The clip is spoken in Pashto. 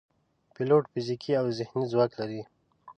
پیلوټ فزیکي او ذهني ځواک لري.